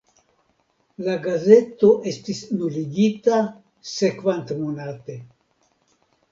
La gazeto estis nuligita sekvantmonate.